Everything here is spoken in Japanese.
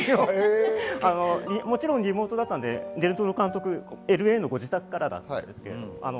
もちろんリモートだったのでデル・トロ監督、ＬＡのご自宅からだったんですけどね。